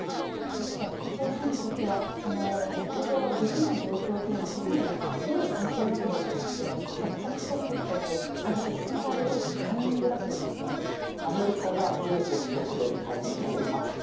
ということは北朝鮮にとっては交渉ができない状況というのをそこまで焦りを感じているわけではなくて着々と開発を進められるタイミングだというふうにアメリカが譲歩してくれるタイミングを待つと。